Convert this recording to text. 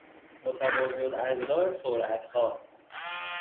متوازی الاضلاع سرعت ها